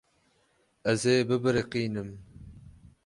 Ez ê bibiriqînim.